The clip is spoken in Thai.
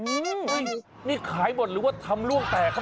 อืมนี่ขายหมดหรือว่าทำล่วงแตกครับ